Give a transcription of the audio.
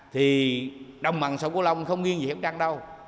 thì đồng bằng sông cô long không nghiêng gì hiểm trăng đâu